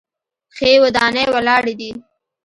ښې ودانۍ ولاړې دي.